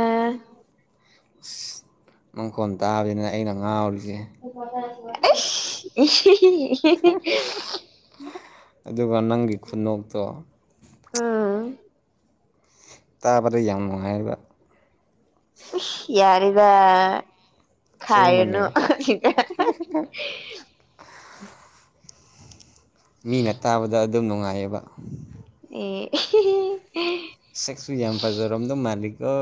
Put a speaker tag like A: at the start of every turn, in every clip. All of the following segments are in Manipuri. A: ꯑꯥ
B: ꯑꯁ ꯅꯪ ꯅꯈꯣꯜ ꯇꯥꯕꯁꯤꯅꯦ ꯑꯩꯅ ꯉꯥꯎꯔꯤꯁꯦ
A: ꯏꯁ
B: ꯑꯗꯨꯒ ꯅꯪꯒꯤ ꯈꯨꯅꯣꯛꯇꯣ
A: ꯎꯝ
B: ꯇꯥꯕꯗ ꯌꯥꯝ ꯅꯨꯡꯉꯥꯏꯌꯦꯕ
A: ꯌꯥꯔꯦꯗ
B: ꯑꯁꯦꯡꯕꯅꯦ
A: ꯈꯥꯏꯔꯅꯨ ꯁꯤꯗ
B: ꯃꯤꯅ ꯇꯥꯕꯗ ꯑꯗꯨꯝ ꯅꯨꯡꯉꯥꯏꯌꯦꯕ
A: ꯑꯦ
B: ꯁꯦꯛꯁꯨ ꯌꯥꯝ ꯐꯥꯖꯔꯝꯗꯧ ꯃꯥꯂꯤꯀꯣ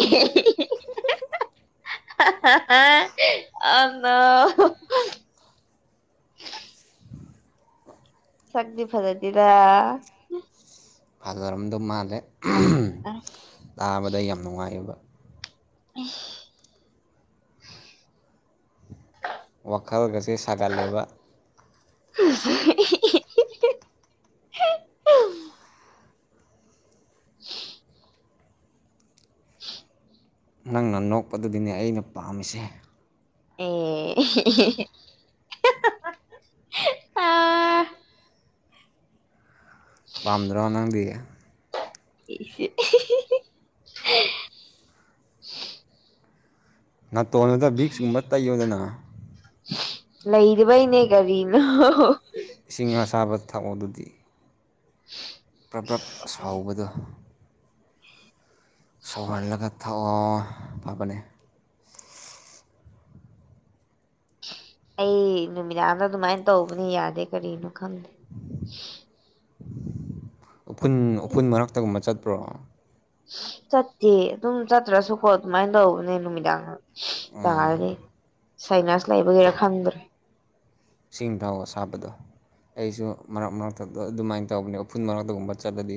A: [inaudible] ꯑꯅ [inaudible] ꯁꯛꯇꯤ ꯐꯖꯗꯦꯗ
B: ꯐꯥꯖꯔꯝꯗꯧ ꯃꯥꯜꯂꯦ
A: ꯑꯝ
B: ꯇꯥꯕꯗ ꯌꯥꯝ ꯅꯨꯡꯉꯥꯏꯑꯦꯕ
A: ꯎꯝ [inaudible]
B: ꯋꯥꯈꯜꯒꯁꯦ ꯁꯥꯒꯠꯂꯦꯕ
A: [inaudible] [inaudible] [unintelligible]
B: ꯅꯪꯅ ꯅꯣꯛꯄꯗꯨꯅꯤꯅꯦ ꯑꯩꯅ ꯄꯥꯝꯃꯤꯁꯦ
A: ꯑꯦ ꯑ
B: ꯄꯥꯝꯗ꯭ꯔ ꯅꯪꯗꯤ
A: [inaudible]
B: ꯅꯥꯇꯣꯟꯗꯨꯗ ꯕꯤꯛꯁꯀꯨꯝꯕ ꯇꯩꯌꯣꯗꯅ
A: ꯂꯩꯗꯕꯩꯅꯦ ꯀꯔꯤꯅꯣ
B: ꯏꯁꯤꯡ ꯑꯁꯥꯕ ꯊꯛꯑꯣ ꯑꯗꯨꯗꯤ
A: [unintelligible]
B: ꯄ꯭ꯔꯞ- ꯄ꯭ꯔꯞ ꯑꯁꯥꯎꯕꯗꯣ ꯁꯧꯍꯜꯂꯒ ꯊꯛꯑꯣ ꯐꯕꯅꯦ
A: ꯑꯩ ꯅꯨꯃꯤꯗꯥꯡꯗ ꯑꯗꯨꯃꯥꯏꯅ ꯇꯧꯕꯅꯦ ꯌꯥꯗꯦ ꯀꯔꯤꯅꯣ ꯈꯪꯗꯦ
B: ꯎꯐꯨꯟ- ꯎꯐꯨꯟ ꯃꯔꯛꯇꯒꯨꯝꯕ ꯆꯠꯄ꯭ꯔꯣ
A: ꯆꯠꯇꯦ ꯑꯗꯨꯝ ꯆꯠꯇ꯭ꯔꯁꯨꯀꯣ ꯑꯗꯨꯃꯥꯏꯅ ꯇꯧꯕꯅꯦ ꯅꯨꯃꯤꯗꯥꯡ ꯇꯥꯔꯗꯤ ꯁꯥꯏꯅꯁ ꯂꯩꯕꯒꯤꯔꯥ ꯈꯪꯗ꯭ꯔꯦ
B: ꯁꯤꯡ ꯊꯛꯑꯣ ꯑꯁꯥꯕꯗꯣ ꯑꯩꯁꯨ ꯃꯔꯛ ꯃꯔꯛꯇ ꯑꯗꯨꯃꯥꯏꯅ ꯇꯧꯕꯅꯦ ꯎꯐꯨꯟ ꯃꯔꯛꯇꯒꯨꯝꯕ ꯆꯠꯂꯗꯤ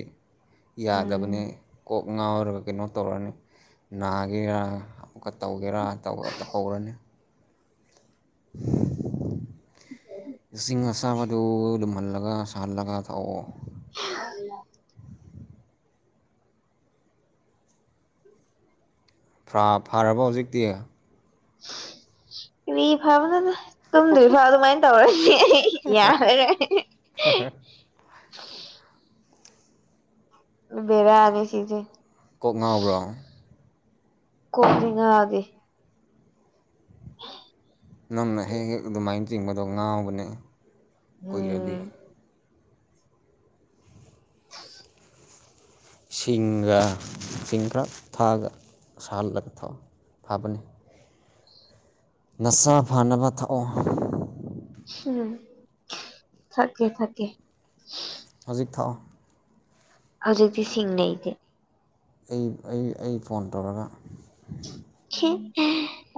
B: ꯌꯥꯗꯕꯅꯤ
A: ꯎꯝ
B: ꯀꯣꯛ ꯉꯥꯎꯔꯒ ꯀꯩꯅꯣ ꯇꯧꯔꯅꯤ ꯅꯥꯒꯤꯔ ꯑꯣꯛꯀ ꯇꯧꯒꯦꯔꯥ ꯇꯧꯍꯧꯔꯅꯤ [inaudible] ꯏꯁꯤꯡ ꯑꯁꯥꯕꯗꯨ ꯂꯨꯝꯍꯜꯂꯒ ꯁꯥꯍꯜꯂꯒ ꯊꯛꯑꯣ
A: [inaudible]
B: ꯐꯥꯔꯕꯣ ꯍꯧꯖꯤꯛꯇꯤ
A: ꯀꯔꯤ ꯐꯕꯅꯣꯗ ꯇꯨꯝꯗꯣꯏ ꯐꯥꯎ ꯑꯗꯨꯃꯥꯏꯅ ꯇꯧꯔꯗꯤ ꯌꯥꯔꯦ ꯕꯦꯔꯥꯅꯦ ꯁꯤꯁꯦ
B: ꯀꯣꯛ ꯉꯥꯎꯕ꯭ꯔꯣ
A: ꯀꯣꯛꯇꯤ ꯉꯥꯎꯗꯦ ꯑꯣ
B: ꯅꯪꯅ ꯍꯦꯛ- ꯍꯦꯛ ꯑꯗꯨꯃꯥꯏꯅ ꯆꯤꯡꯕꯗꯣ ꯉꯥꯎꯕꯅꯦ ꯀꯨꯏꯈꯔꯗꯤ
A: ꯎꯝ ꯍ
B: ꯏꯁꯤꯡꯒ ꯏꯁꯤꯡ ꯈꯔ ꯊꯥꯛꯑꯣꯁꯥꯍꯜꯂꯒ ꯐꯕꯅꯦ ꯅꯁꯥ ꯐꯅꯕ ꯊꯛꯑꯣ
A: ꯎꯝ ꯊꯀꯦ- ꯊꯀꯦ
B: ꯍꯧꯖꯤꯛ ꯊꯛꯑꯣ
A: ꯍꯧꯖꯤꯛꯇꯤ ꯁꯤꯡꯂꯩꯇꯦ
B: ꯑꯩ -ꯑꯩ -ꯑꯩ ꯐꯣꯟ ꯇꯧꯔꯒ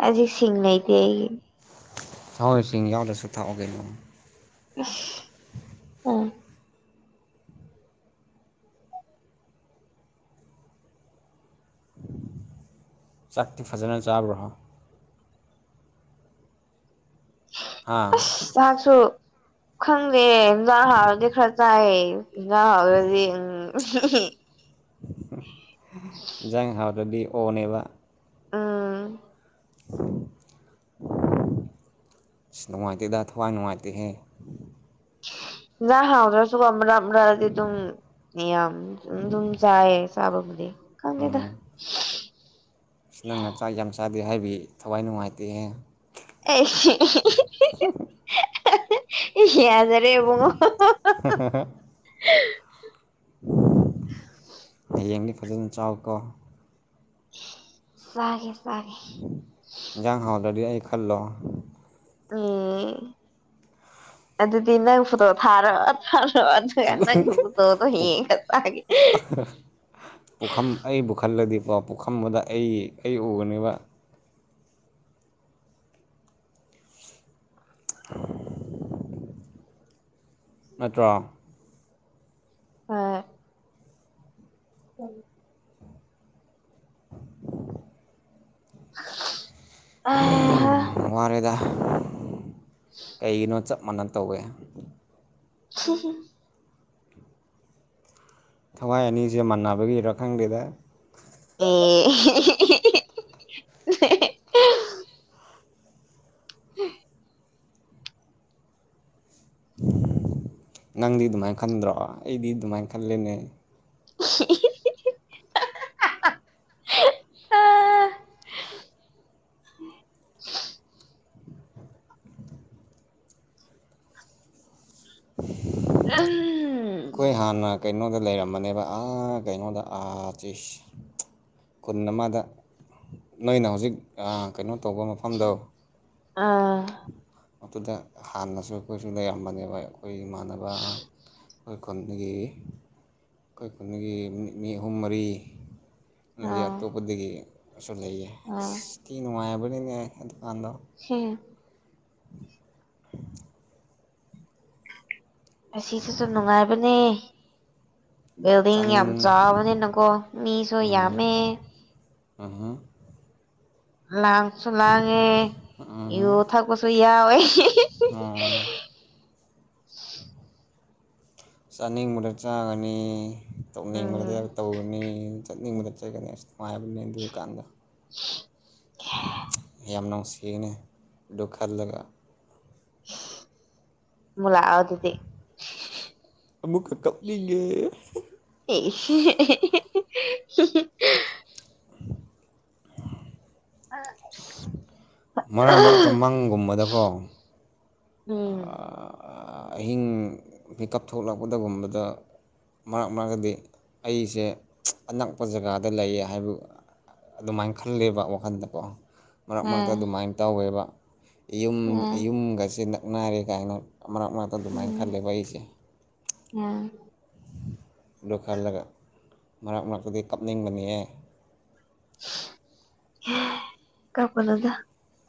A: ꯑꯖꯤꯛ ꯁꯤꯡ ꯂꯩꯇꯦ ꯑꯩ
B: ꯊꯛꯑꯣ ꯁꯤꯡ ꯌꯥꯎꯗ꯭ꯔꯁꯨ ꯊꯛꯑꯣ ꯀꯩꯅꯣ
A: ꯎꯝ
B: ꯆꯥꯛꯇꯤ ꯐꯖꯅ ꯆꯥꯕ꯭ꯔꯣ
A: ꯍ
B: ꯍꯥꯥ
A: ꯑꯁ ꯆꯥꯛꯁꯨ ꯈꯪꯗꯦ ꯏꯟꯁꯥꯡ ꯍꯥꯎꯔꯗꯤ ꯈꯔ ꯆꯥꯏꯌꯦ ꯏꯟꯖꯥꯡ ꯍꯥꯎꯇꯔꯗꯤ ꯎꯝ
B: ꯏꯟꯁꯥꯡ ꯍꯥꯎꯇ꯭ꯔꯗꯤ ꯑꯣꯅꯦꯕ
A: ꯎꯝ
B: ꯁꯤ ꯅꯨꯡꯉꯥꯏꯇꯦꯗ ꯊꯋꯥꯏ ꯅꯨꯡꯉꯥꯏꯇꯦꯍꯦ
A: ꯏꯟꯖꯥꯡ ꯍꯥꯎꯅꯕꯁꯨ ꯃꯔꯝ ꯃꯔꯛꯇꯤ ꯑꯗꯨꯝ ꯌꯦꯟ ꯑꯗꯨꯝ ꯆꯥꯏꯌꯦ ꯆꯥꯕꯕꯨꯗꯤ ꯈꯪꯗꯦꯗ
B: ꯎꯝ ꯅꯪꯅ ꯆꯥꯛ ꯌꯥꯝ ꯆꯥꯗꯦ ꯍꯥꯏꯕꯒꯤ ꯊꯋꯥꯏ ꯅꯨꯡꯉꯥꯏꯇꯦꯍꯦ
A: ꯑꯩ ꯑꯦ ꯌꯥꯖꯔꯦ ꯏꯕꯨꯡꯉꯣ
B: ꯍꯌꯦꯡꯗꯤ ꯐꯖꯅ ꯆꯥꯎꯀꯣ
A: ꯆꯥꯒꯦ- ꯆꯥꯒꯦ
B: ꯍꯤꯟꯖꯥꯡ ꯍꯥꯎꯇ꯭ꯔꯗꯤ ꯑꯩ ꯈꯥꯜꯂꯣ
A: ꯎꯝ ꯑꯗꯨꯗꯤ ꯅꯪ ꯐꯣꯇꯣ ꯊꯥꯔꯛꯑꯣ ꯊꯥꯔ ꯅꯪꯒꯤ ꯐꯣꯇꯣꯗꯣ ꯌꯦꯡꯉꯒ ꯆꯥꯒꯦ
B: ꯄꯨꯈꯝ ꯑꯩꯕꯨ ꯈꯜꯂꯗꯤꯀꯣ ꯄꯨꯈꯝ ꯑꯃꯗ ꯑꯩ- ꯑꯩ ꯎꯒꯅꯦꯕ [inaudible] ꯅꯠꯇ꯭ꯔꯣ
A: ꯍꯣꯏ ꯎꯝ ꯑ
B: ꯋꯥꯔꯦꯗ ꯀꯩꯒꯤꯅꯣ ꯆꯞ ꯃꯥꯟꯅ ꯇꯧꯋꯦ
A: [inaudible]
B: ꯊꯋꯥꯏ ꯑꯅꯤꯁꯦ ꯃꯥꯟꯅꯕꯒꯤꯔ ꯈꯪꯗꯦꯗ
A: ꯑꯦ [unintelligible]
B: ꯅꯪꯗꯤ ꯑꯗꯨꯃꯥꯏꯅ ꯈꯟꯗ꯭ꯔꯣ ꯑꯩꯗꯤ ꯑꯗꯨꯃꯥꯏꯅ ꯈꯜꯂꯦꯅꯦ
A: [unintelligible] ꯑꯥ ꯎꯝ
B: ꯑꯩꯈꯣꯏ ꯍꯥꯟꯅ ꯀꯩꯅꯣꯗ ꯂꯩꯔꯝꯕꯅꯦꯕ ꯑꯥ ꯀꯩꯅꯣꯗ ꯑꯥ ꯆꯁ ꯈꯨꯟ ꯑꯃꯗ ꯅꯣꯏꯅ ꯍꯧꯖꯤꯛ ꯀꯩꯅꯣ ꯇꯧꯕ ꯃꯐꯝꯗꯣ
A: ꯑꯥ
B: ꯑꯗꯨꯗꯨꯗ ꯍꯥꯟꯅꯁꯨ ꯑꯩꯈꯣꯏꯁꯨ ꯂꯩꯔꯝꯕꯅꯦꯕ ꯑꯩꯈꯣꯏ ꯏꯃꯥꯟꯅꯕ ꯑꯩꯈꯣꯏ ꯈꯨꯟꯗꯒꯤ ꯑꯩꯈꯣꯏ ꯈꯨꯟꯒꯤ ꯃꯤ ꯑꯍꯨꯝ ꯃꯔꯤ ꯑꯗꯒꯤ
A: ꯑꯥ
B: ꯑꯇꯣꯞꯄꯗꯒꯤꯁꯨ ꯂꯩꯌꯦ ꯑꯁ
A: ꯑꯥ
B: ꯊꯤ ꯅꯨꯡꯉꯥꯏꯕꯅꯤꯅꯦ ꯑꯩ ꯗꯨꯀꯥꯟꯗꯣ
A: ꯍꯝ
B: [inaudible]
A: ꯑꯁꯤꯁꯤꯁꯨ ꯅꯨꯡꯉꯥꯏꯕꯅꯦ ꯕꯤꯜꯗꯤꯡ ꯌꯥꯝ
B: ꯆꯥꯅꯤꯡ
A: ꯆꯥꯕꯅꯤꯅꯀꯣ ꯃꯤꯁꯨ ꯌꯥꯝꯃꯦ
B: ꯑꯝ ꯍꯨꯝ
A: ꯂꯥꯡꯁꯨ ꯂꯥꯡꯉꯦ ꯌꯨ ꯊꯛꯄꯁꯨ ꯌꯥꯎꯋꯦ
B: ꯑꯣ ꯆꯥꯅꯤꯡꯕꯗꯥ ꯆꯥꯒꯥꯅꯤ
A: ꯎꯝ
B: ꯇꯧꯅꯤꯡꯕꯗ ꯇꯧꯒꯅꯤ ꯆꯠꯅꯤꯡꯕꯗ ꯆꯠꯒꯅꯤ ꯅꯨꯡꯉꯥꯏꯕꯅꯦ ꯑꯗꯨ ꯀꯥꯟꯗ ꯌꯥꯝ ꯅꯨꯡꯁꯤꯅꯦ ꯑꯗꯨ ꯈꯜꯂꯒ
A: ꯑꯃꯨꯛ ꯂꯥꯛꯑꯣ ꯑꯗꯨꯗꯤ
B: ꯑꯃꯨꯛꯀ ꯀꯞꯅꯤꯡꯉꯦ
A: ꯑꯦ
B: [inaudible]
A: [unintelligible]
B: ꯃꯔꯛ ꯃꯔꯛꯇ ꯃꯪꯒꯨꯝꯕꯗꯀꯣ
A: ꯎꯝ
B: ꯑꯍꯤꯡ ꯃꯤꯀꯞ ꯊꯣꯛꯂꯛꯄꯗꯒꯨꯝꯕꯗ ꯃꯔꯛ ꯃꯔꯛꯗꯤ ꯑꯩꯁꯦ ꯑꯅꯛꯄ ꯖꯒꯥꯗ ꯂꯩꯌꯦ ꯍꯥꯏꯕ ꯑꯗꯨꯃꯥꯏꯅ ꯈꯜꯂꯦꯕ ꯋꯥꯈꯟꯗꯀꯣ ꯃꯔꯛ
A: ꯑ
B: ꯃꯔꯛꯇ ꯑꯗꯨꯃꯥꯏꯅ ꯇꯧꯋꯦꯕ
A: ꯑ
B: ꯌꯨꯝꯒꯁꯦ ꯅꯛꯅꯔꯦ ꯀꯥꯏꯅ ꯃꯔꯛ ꯃꯔꯛꯇ ꯑꯗꯨꯃꯥꯏꯅ
A: ꯎꯝ
B: ꯈꯜꯂꯦꯕ ꯑꯩꯁꯦ
A: ꯎꯝ
B: ꯅꯣꯛꯍꯥꯜꯂꯒ ꯃꯔꯛ ꯃꯔꯛꯇꯗꯤ ꯀꯞꯅꯤꯡꯕꯅꯤꯌꯦ
A: ꯀꯥꯞꯒꯅꯣꯗ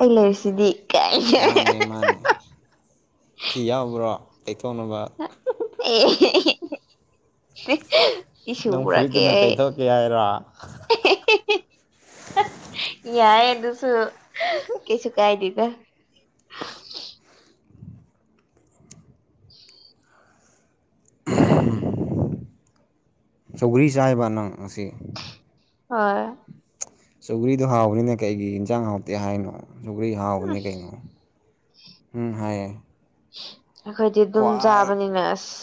A: ꯑꯩ ꯂꯩꯔꯤꯁꯤꯗꯤ ꯀꯥꯏꯅ
B: ꯃꯥꯅꯦ ꯃꯥꯅꯦ ꯐꯤ ꯌꯥꯎꯕ꯭ꯔꯣ ꯇꯩꯊꯣꯛꯅꯕ
A: ꯑꯦ ꯑꯦ ꯑꯦ ꯇꯤꯁꯨ
B: ꯅꯪ
A: ꯄꯨꯔꯛꯀꯦ
B: ꯐꯨꯔꯤꯠꯇꯨꯅ
A: ꯑꯩ
B: ꯇꯩꯊꯣꯛꯀꯦ ꯍꯥꯏꯔꯣ
A: ꯌꯥꯏꯌꯦ ꯑꯗꯨꯁꯨ ꯀꯩꯁꯨ ꯀꯥꯏꯗꯦꯗ
B: [unintelligible] ꯁꯧꯒ꯭ꯔꯤ ꯆꯥꯏꯕ ꯅꯪ ꯉꯁꯤ
A: ꯍꯣꯏ
B: ꯁꯧꯒ꯭ꯔꯤꯗꯣ ꯍꯥꯎꯕꯅꯤꯅ ꯀꯩꯒꯤ ꯏꯟꯁꯥꯡ ꯍꯥꯎꯇꯦ ꯍꯥꯏꯅꯣ ꯁꯧꯒ꯭ꯔꯤ ꯍꯥꯎꯕꯅꯤ ꯀꯩꯅꯣ ꯎꯝ ꯍꯥꯏꯌꯦ
A: ꯑꯩꯈꯣꯏꯗꯤ ꯑꯗꯨꯝ
B: ꯈ꯭ꯋꯥꯏ
A: ꯆꯥꯕꯅꯤꯅ ꯑꯁ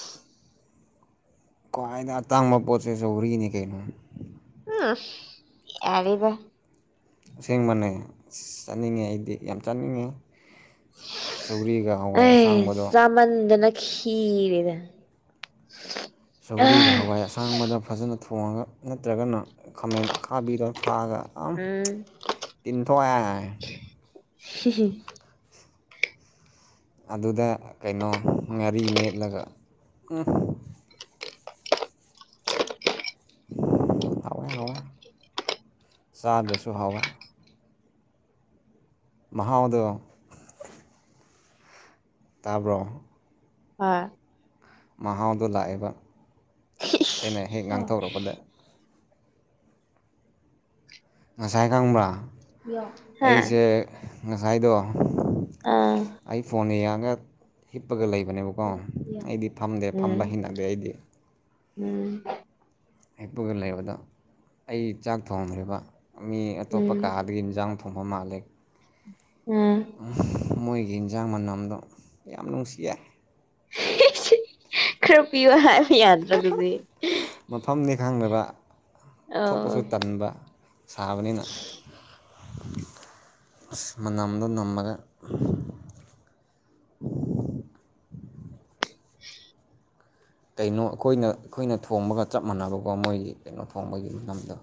B: ꯈ꯭ꯋꯥꯏꯗ ꯑꯇꯥꯡꯕ ꯄꯣꯠꯁꯦ ꯁꯧꯒ꯭ꯔꯤꯅꯦ ꯀꯩꯅꯣ
A: ꯌꯔꯦꯗ
B: ꯑꯁꯦꯡꯕꯅꯦ ꯑꯁ ꯆꯥꯅꯤꯡꯉꯦ ꯑꯩꯗꯤ ꯌꯥꯝ ꯆꯥꯅꯤꯡꯉꯦ ꯁꯧꯒ꯭ꯔꯤꯒ ꯍꯋꯥꯏ
A: ꯑꯩ
B: ꯑꯁꯥꯡꯕꯗꯣ
A: ꯆꯥꯃꯟꯗꯅ ꯈꯤꯔꯦꯗꯥ
B: ꯁꯧꯒ꯭ꯔꯤꯒ ꯍꯋꯥꯏ ꯑꯁꯥꯡꯕꯗ ꯐꯖꯅ ꯊꯣꯡꯉꯒ ꯅꯠꯇ꯭ꯔꯒꯅ ꯈꯥꯃꯦꯟ ꯑꯈꯥꯕꯤꯗꯣ ꯊꯥꯛꯑꯒ ꯑꯥꯝ
A: ꯎꯝ
B: ꯇꯤꯟ ꯊꯣꯛꯑꯦ
A: ꯍ [inaudible]
B: ꯑꯗꯨꯗ ꯀꯩꯅꯣ ꯉꯥꯔꯤ ꯃꯦꯠꯂꯒ
A: [inaudible]
B: ꯍꯥꯎꯋꯦ ꯍꯥꯎꯋꯦ ꯆꯥꯗ꯭ꯔꯁꯨ ꯍꯥꯎꯋꯦ ꯃꯍꯥꯎꯗꯣ ꯇꯥꯕ꯭ꯔꯣ
A: ꯍꯣꯢ
B: ꯃꯍꯥꯎꯗꯣ ꯂꯥꯛꯑꯦꯕ ꯑꯩꯅ ꯍꯦꯛ ꯉꯥꯡꯊꯣꯛꯔꯛꯄꯗ ꯉꯁꯥꯏ ꯈꯪꯕ꯭ꯔꯥ
A: ꯍꯥ
B: ꯑꯩꯁꯦ ꯉꯁꯥꯏꯗꯣ
A: ꯑꯥ
B: ꯑꯩ ꯐꯣꯟ ꯌꯦꯡꯉꯥꯒ ꯍꯤꯞꯄꯒ ꯂꯩꯕꯅꯦꯕ ꯀꯣ ꯑꯩꯗꯤ ꯐꯝꯗꯦ ꯐꯝꯕ
A: ꯎꯝ
B: ꯍꯤꯡꯩꯅꯗꯦ ꯑꯩꯗꯤ
A: ꯎꯝ
B: ꯍꯦꯛꯄꯒ ꯂꯩꯕꯗꯣ ꯑꯩ ꯆꯥꯛ ꯊꯣꯡꯈ꯭ꯔꯤꯕ ꯃꯤ ꯑꯇꯣꯞꯄ
A: ꯎꯝ
B: ꯀꯥ ꯑꯗꯨ ꯌꯦꯟꯖꯥꯡ ꯊꯣꯡꯐꯝ ꯃꯥꯜꯂꯤ
A: ꯎꯝ
B: ꯃꯣꯏꯒꯤ ꯏꯟꯁꯥꯡ ꯃꯅꯝꯗꯣ ꯌꯥꯝ ꯅꯨꯡꯁꯤꯌꯦ
A: ꯈꯔꯄꯤꯌꯣ ꯍꯥꯏ ꯌꯥꯗ꯭ꯔꯒꯗꯤ
B: ꯃꯐꯝꯅꯤ ꯈꯪꯗꯕ
A: ꯑꯣ
B: ꯊꯣꯛꯄꯁꯨ ꯇꯟꯕ ꯁꯥꯕꯅꯤꯅ ꯑ ꯃꯅꯝꯗꯣ ꯅꯝꯃꯒ ꯀꯩꯅꯣ ꯑꯩꯈꯣꯏꯅ ꯑꯩꯈꯣꯏꯅ ꯊꯣꯡꯕꯒ ꯆꯞ ꯃꯥꯟꯅꯕꯀꯣ ꯃꯣꯏꯒꯤ ꯀꯩꯅꯣ ꯊꯣꯡꯕꯒꯤ ꯂꯝꯗꯣ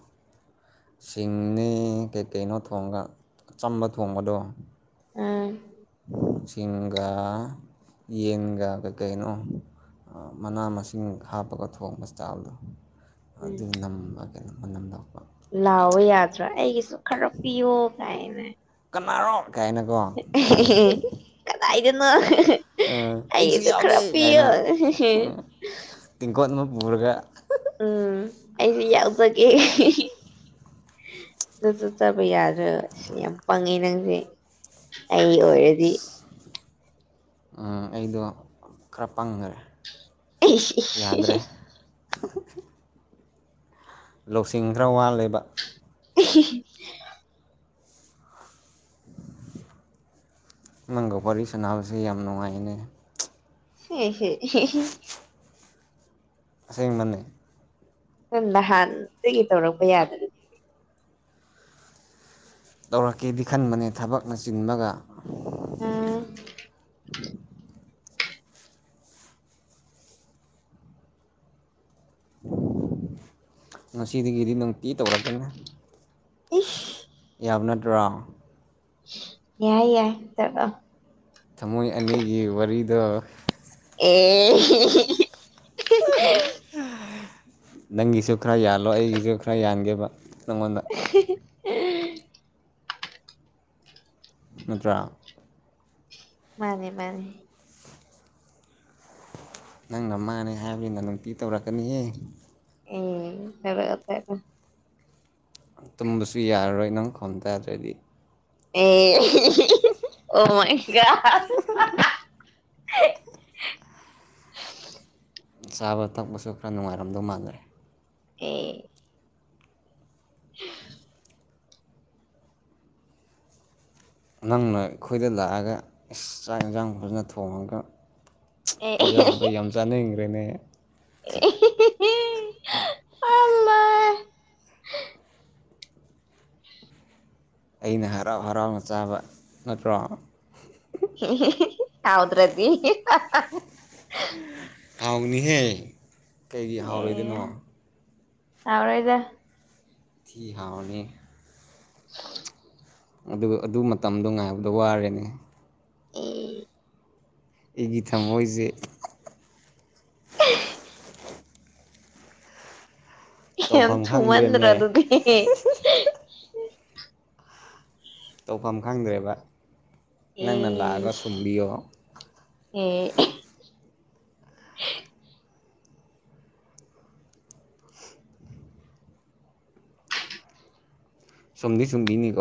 B: ꯁꯤꯡꯅꯤ ꯀꯩꯀꯩꯅꯣ ꯊꯣꯡꯒ ꯑꯆꯝꯕ ꯊꯣꯡꯕꯗꯣ
A: ꯑꯝ
B: ꯆꯤꯡꯒ ꯌꯦꯟꯒ ꯀꯩꯀꯩꯅꯣ ꯃꯅꯥ ꯃꯁꯤꯡ ꯍꯥꯞꯄꯒ ꯊꯣꯡꯕ ꯆꯥꯛꯕꯗꯣ ꯑꯗꯨ ꯅ ꯀꯩꯅꯣꯃ ꯅꯝ ꯂꯄ [inaudible]
A: ꯂꯥꯎꯑꯣ ꯌꯥꯗ꯭ꯔꯥ ꯑꯩꯒꯤꯁꯨ ꯈꯔ ꯄꯤꯌꯣ ꯀꯥꯏꯅ
B: ꯀꯅꯥꯔꯣ ꯀꯥꯏꯅ ꯀꯣ
A: ꯍꯤ ꯍꯤ ꯀꯗꯥꯏꯗꯅꯣ
B: ꯑꯩꯁꯨ
A: ꯑꯩꯒꯤꯁꯨ ꯈꯔ
B: ꯌꯥꯎꯒꯦ
A: ꯄꯤꯌꯦ
B: ꯇꯤꯡꯀꯣꯠ ꯑꯃ ꯄꯨꯔꯒ
A: ꯎꯝ ꯑꯩꯁꯨ ꯌꯥꯎꯖꯒꯦ ꯑꯗꯨꯁꯨ ꯆꯕ ꯌꯥꯔꯦ ꯑꯁ ꯌꯥꯝ ꯄꯪꯉꯦ ꯅꯪꯁꯦ ꯑꯩ ꯑꯣꯏꯔꯗꯤ
B: ꯎ ꯑꯩꯗꯣ ꯈꯔ ꯄꯪꯈ꯭ꯔꯦ ꯌꯥꯗ꯭ꯔꯦ ꯂꯧꯁꯤꯡ ꯈꯔ ꯋꯥꯜꯂꯦꯕ
A: [unintelligible]
B: ꯃꯪꯒꯣ ꯋꯥꯔꯤ ꯁꯥꯟꯅꯕꯁꯦ ꯌꯥꯝ ꯅꯨꯡꯉꯥꯏꯅꯦ
A: ꯍ ꯍ
B: ꯑꯥꯁꯦꯡꯕꯅꯦ
A: ꯅꯪ ꯅꯍꯥꯟ ꯁꯤꯒꯤ ꯇꯧꯔꯛꯄ ꯌꯥꯗ꯭ꯔ
B: ꯇꯧꯔꯛꯀꯦꯗꯤ ꯈꯟꯕꯅꯦ ꯊꯕꯛꯅ ꯆꯤꯡꯕꯒ
A: ꯎꯝ
B: ꯉꯁꯤꯗꯒꯤꯗꯤ ꯅꯨꯡꯇꯤ ꯇꯧꯔꯛꯀꯅꯤ
A: ꯏꯁ
B: ꯌꯥꯕ ꯅꯠꯇ꯭ꯔꯣ
A: ꯌꯥꯏ ꯌꯥ ꯇꯒ
B: ꯊꯃꯣꯏ ꯑꯅꯤꯒꯤ ꯋꯥꯔꯤꯗ
A: ꯑꯣ
B: [unintelligible] ꯅꯪꯒꯤꯁꯨ ꯈꯔ ꯌꯥꯜꯂꯣ ꯑꯩꯒꯤꯁꯨ ꯈꯔ ꯌꯥꯟꯒꯦꯕ ꯅꯪꯉꯣꯟꯗ
A: [unintelligible]
B: ꯅꯠꯇ꯭ꯔ
A: ꯃꯥꯅꯤ ꯃꯥꯅꯤ
B: ꯅꯪꯅ ꯃꯥꯅꯦ ꯍꯥꯏꯕꯅꯤꯅ ꯅꯨꯡꯇꯤ ꯇꯧꯔꯛꯀꯅꯤꯍꯦ
A: ꯏ ꯍꯦꯔꯇꯩ
B: ꯇꯨꯝꯕꯁꯨ ꯌꯥꯔꯔꯣꯏ ꯅꯪ ꯈꯣꯡ ꯇꯗ꯭ꯔꯗꯤ
A: ꯑꯦ ꯑꯣꯃꯒꯥ
B: ꯆꯥꯕ ꯊꯛꯄꯁꯨ ꯈꯔ ꯅꯨꯡꯉꯥꯏꯔꯝꯗꯧ ꯃꯥꯟꯅꯔꯦ
A: ꯑꯦ ꯎꯝ
B: ꯅꯪꯅ ꯑꯩꯈꯣꯏꯗ ꯂꯥꯛꯑꯒ ꯏꯁ ꯆꯥꯛ ꯌꯦꯟꯁꯥꯡ ꯐꯖꯅ ꯊꯣꯡꯉꯒ
A: ꯑꯦ
B: ꯄꯤꯖꯥꯕꯗꯣ ꯌꯥꯝ ꯆꯥꯅꯩꯪꯈ꯭ꯔꯦꯅꯦ
A: ꯑꯦ ꯍꯤ ꯍꯤ
B: [inaudible] ꯑꯩꯅ ꯍꯔꯥꯎ ꯍꯔꯥꯎꯅ ꯆꯥꯕ ꯅꯠꯇ꯭ꯔꯣ
A: ꯍꯥꯎꯗ꯭ꯔꯗꯤ
B: ꯍꯥꯎꯅꯤꯍꯦ ꯀꯩꯒꯤ ꯍꯥꯎꯔꯣꯏꯗꯅꯣ
A: ꯍꯔꯣꯏꯗ
B: ꯊꯤ ꯍꯥꯎꯅꯤ
A: ꯍ
B: ꯑꯗꯨ ꯑꯗꯨ ꯃꯇꯝꯗꯣ ꯉꯥꯏꯕꯗ ꯋꯥꯔꯦꯅꯦ
A: ꯑꯦ
B: ꯑꯩꯒꯤ ꯊꯝꯃꯣꯏꯖꯦ
A: ꯎ ꯌꯥꯝ
B: ꯇꯧꯐꯝ
A: ꯊꯨꯃꯟꯗꯔ
B: ꯈꯪꯗ꯭ꯔꯦꯃꯦ
A: ꯑꯗꯨꯗꯤ
B: ꯇꯧꯐꯝ ꯈꯪꯗ꯭ꯔꯦꯕ ꯅꯪꯅ ꯂꯥꯛꯑꯒ ꯁꯨꯝꯕꯤꯌꯣ
A: ꯑꯦ
B: ꯁꯨꯝꯗꯤ ꯁꯨꯝꯕꯤꯅꯤꯀꯣ